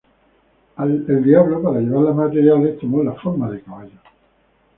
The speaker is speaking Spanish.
El diablo, para llevar los materiales, tomó la forma de caballo.